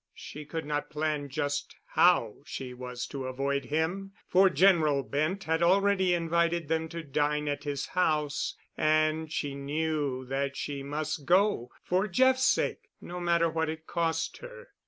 She could not plan just now how she was to avoid him, for General Bent had already invited them to dine at his house, and she knew that she must go, for Jeff's sake, no matter what it cost her.